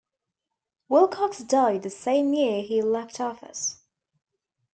Wilcox died the same year he left office.